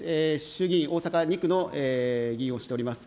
衆議院大阪２区の議員をしております。